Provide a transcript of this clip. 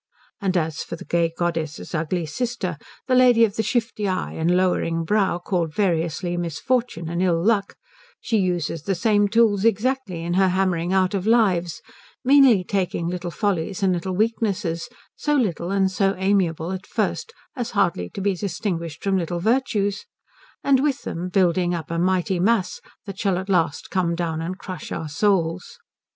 And as for the gay goddess's ugly sister, the lady of the shifty eye and lowering brow called variously Misfortune and Ill Luck, she uses the same tools exactly in her hammering out of lives, meanly taking little follies and little weaknesses, so little and so amiable at first as hardly to be distinguished from little virtues, and with them building up a mighty mass that shall at last come down and crush our souls.